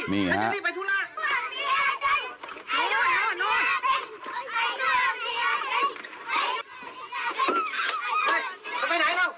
มีครับ